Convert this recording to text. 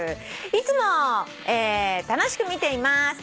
「いつも楽しく見ています」